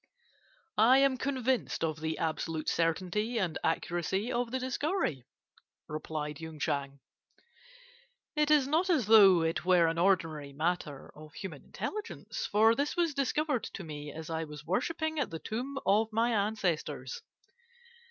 "'I am convinced of the absolute certainty and accuracy of the discovery,' replied Yung Chang. 'It is not as though it were an ordinary matter of human intelligence, for this was discovered to me as I was worshipping at the tomb of my ancestors.